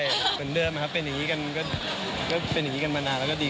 เป็นความเดิมฮะเป็นอย่างนี้กันมานานแล้วก็ดี